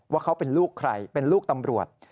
ว่าเขาเป็นลูกใครเป็นลูกตำรวจ